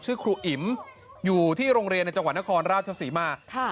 ชื่อครูอิ๋มอยู่ที่โรงเรียนในจังหวัดนครราชศรีมา